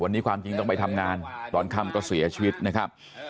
วันนี้ความจริงต้องไปทำงานตอนค่ำก็เสียชีวิตนะครับ